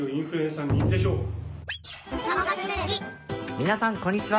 皆さん、こんにちは。